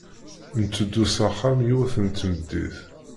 Ntteddu s axxam yiwet n tmeddit.